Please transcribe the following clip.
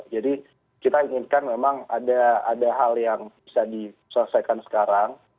jadi kita inginkan memang ada hal yang bisa diselesaikan sekarang